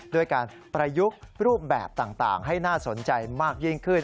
ด้วยการประยุกต์รูปแบบต่างให้น่าสนใจมากยิ่งขึ้น